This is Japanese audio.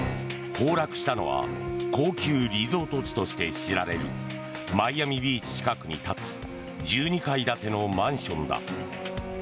崩落したのは高級リゾート地として知られるマイアミビーチ近くに立つ１２階建てのマンションだ。